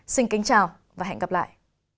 xin kính chào và hẹn gặp lại